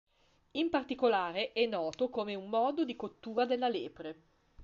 In particolare è noto come un modo di cottura della lepre.